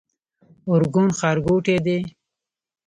ارګون ښارګوټی دی؟